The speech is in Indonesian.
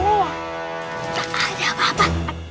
tak ada apa apa